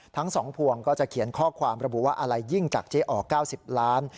ทั้ง๒พวงก็จะเขียนข้อความระบุว่าอะไรยิ่งจากเจ๊อ๋อ๙๐ล้าน